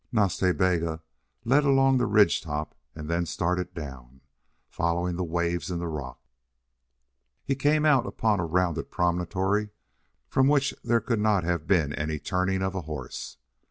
Nas Ta Bega led along the ridge top and then started down, following the waves in the rock. He came out upon a round promontory from which there could not have been any turning of a horse.